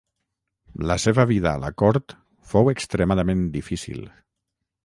La seva vida a la Cort fou extremadament difícil.